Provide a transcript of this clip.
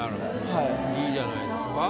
いいじゃないですか。